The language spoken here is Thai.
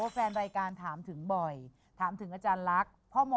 แฟนรายการถามถึงบ่อยถามถึงอาจารย์ลักษณ์